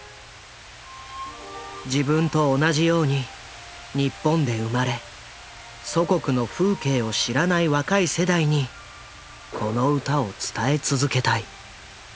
自分と同じように日本で生まれ祖国の風景を知らない若い世代にこの歌を伝え続けたい。